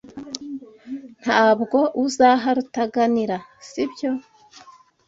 Ntabwo uzaha Rutaganira, sibyo?